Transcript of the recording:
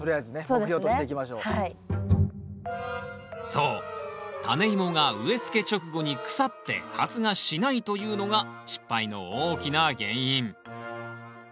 そうタネイモが植えつけ直後に腐って発芽しないというのが失敗の大きな原因。